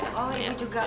oh ibu juga